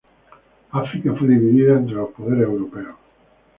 África fue dividida entre los poderes europeos.